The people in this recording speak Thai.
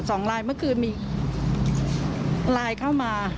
สองลายเมื่อคืนมีไลน์เข้ามา